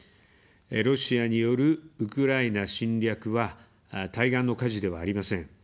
ロシアによるウクライナ侵略は対岸の火事ではありません。